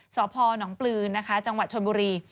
สพนปลืนนะคะจังหวัดชนบุรี